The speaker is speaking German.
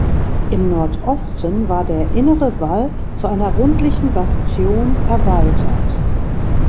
Im Nordosten war der innere Wall zu einer rundlichen Bastion erweitert.